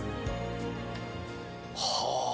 はあ。